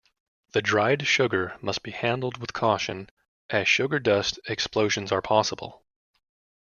The dried sugar must be handled with caution, as sugar dust explosions are possible.